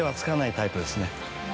タイプですね。